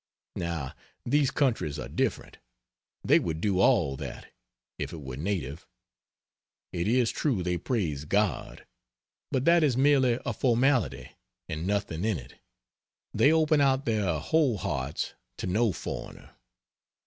Now, these countries are different: they would do all that, if it were native. It is true they praise God, but that is merely a formality, and nothing in it; they open out their whole hearts to no foreigner.